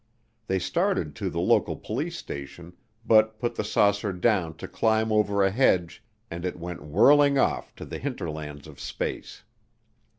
They started to the local police station, but put the saucer down to climb over a hedge, and it went whirling off to the hinterlands of space.